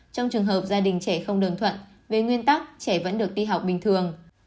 trong trường hợp gia đình trẻ không đồng thuận về nguyên tắc trẻ vẫn được đi học bình thường